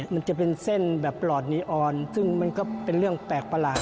มันจะเป็นเส้นแบบหลอดนีออนซึ่งมันก็เป็นเรื่องแปลกประหลาด